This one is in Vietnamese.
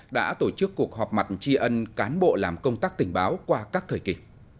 đã tổ chức cuộc họp mặt tri ân cán bộ làm công tác tình báo qua các thời kỳ